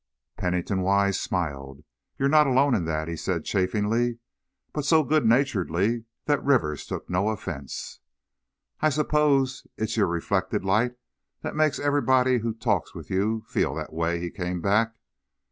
Pennington Wise smiled. "You're not alone in that," he said, chaffingly, but so good naturedly that Rivers took no offense. "I suppose it's your reflected light that makes everybody who talks with you feel that way," he came back.